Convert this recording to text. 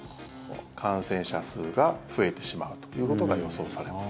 感染者数が増えてしまうということが予想されます。